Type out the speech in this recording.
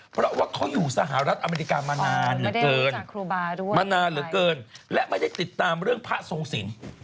เพราะว่าเขาอยู่สหรัฐอเมริกามานานเหลือเกินมานานเหลือเกินและไม่ได้ติดตามเรื่องพระทรงศิลป์